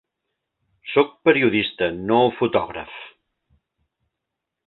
Soc periodista, no fotògraf.